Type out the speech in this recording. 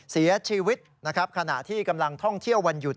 เสียชีวิตนะครับขณะที่กำลังท่องเที่ยววันหยุด